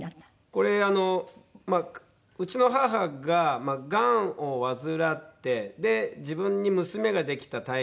これうちの母ががんを患ってで自分に娘ができたタイミング